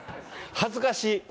恥ずかしい。